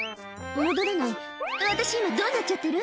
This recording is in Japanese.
戻れない」「私今どうなっちゃってる？」